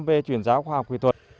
về chuyển giáo khoa học quy thuật